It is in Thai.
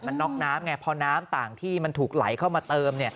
มันน็อกน้ำไงพอน้ำต่างที่มันถูกไหลเข้ามาเติม